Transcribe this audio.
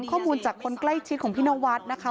ข้อมูลจากคนใกล้ชิดของพี่นวัดนะคะ